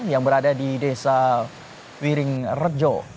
yang berada di desa wiring rejo